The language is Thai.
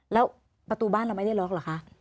แล้วประตูบ้านเราไม่ได้ล็อกเหรอคะ